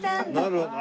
なるほど。